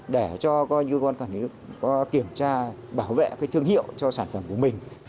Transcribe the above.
để cho cơ quan quản lý nhà nước kiểm tra bảo vệ thương hiệu cho sản phẩm của mình